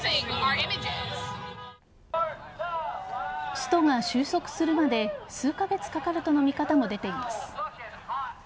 ストが収束するまで数カ月かかるとの見方も出ています。